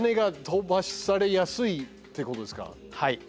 はい。